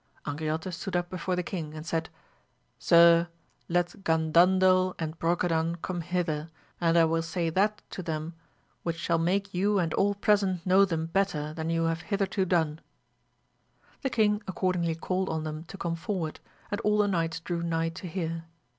Angriote stood up before the king and said, Sir, let Gandandel and Brocadan come hither, and 1 will say that to them which shall make you and all present know them better than ye have hitherto done. The king ac cordingly called on them to come forward, and all the knights drew nigh to hear.